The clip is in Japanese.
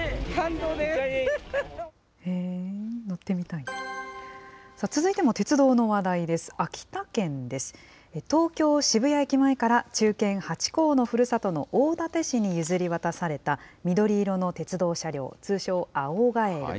東京・渋谷駅前から、忠犬ハチ公のふるさとの大館市に譲り渡された緑色の鉄道車両、通称、青ガエル。